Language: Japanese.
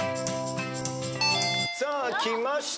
さあきました